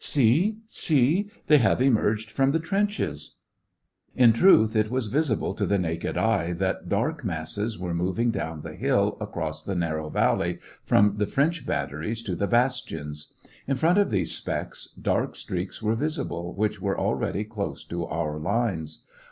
" See, see ! They have emerged from the trenches." In truth, it was visible to the naked eye that SEVASTOPOL IN AUGUST. 245 dark masses were moving down the hill, across the narrow valley, from the French batteries to the bastions. In front of these specks, dark streaks were visible, which were already close to our lines.